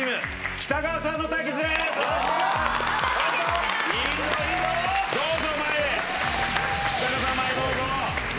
北川さん前へどうぞ。